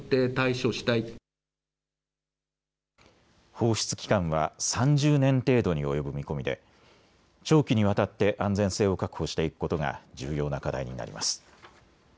放出期間は３０年程度に及ぶ見込みで長期にわたって安全性を確保していくことが重要な課題になります。